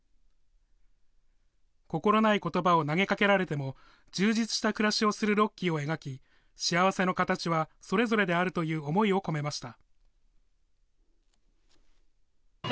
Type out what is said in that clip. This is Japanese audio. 心ないことばを投げかけられても、充実した暮らしをするロッキーを描き、幸せの形はそれぞれであるという思いを込めました。